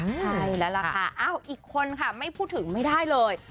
ใช่แล้วล่ะค่ะอ้าวอีกคนค่ะไม่พูดถึงไม่ได้เลย